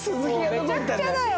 もうめちゃくちゃだよ。